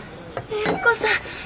蓮子さん！